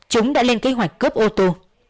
chúng đã lên kế hoạch cướp ô tô